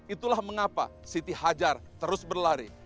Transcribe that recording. itulah mengapa siti hajar terus berlari